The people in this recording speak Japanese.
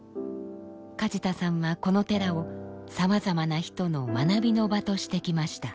梶田さんはこの寺をさまざまな人の学びの場としてきました。